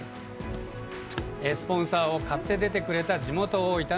スポンサーを買って出てくれた地元・大分の企業。